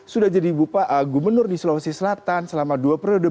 sudah jadi gubernur di sulawesi selatan selama dua periode